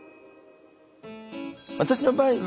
私の場合は